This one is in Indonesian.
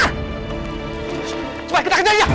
cepat kita kejar dia